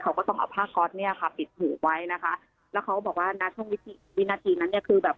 เขาก็ต้องเอาผ้าก๊อตเนี้ยค่ะปิดหูไว้นะคะแล้วเขาบอกว่าณช่วงวิธีวินาทีนั้นเนี่ยคือแบบ